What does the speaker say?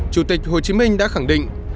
chủ tịch hồ chí minh đã khẳng định